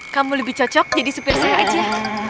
kamu lebih cocok jadi supir saya aja